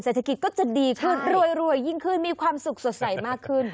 เศรษฐกิจก็จะดีขึ้นรวยยิ่งขึ้นมีความสุขสดใสมากขึ้น